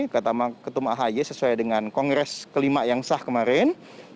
kata ketum ahy sesuai dengan kongres kelima yang sah kemarin